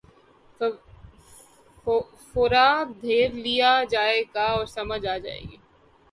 فورا دھر لیا جائے گا اور سمجھ آ جائے گی۔